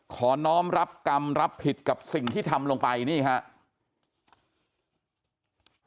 น้องรับกรรมรับผิดกับสิ่งที่ทำลงไปนี่ครับ